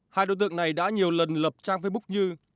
hai đối tượng này đã nhiều lần lập trang facebook như